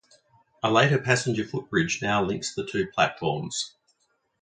A later passenger footbridge now links the two platforms.